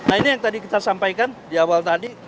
nah ini yang tadi kita sampaikan di awal tadi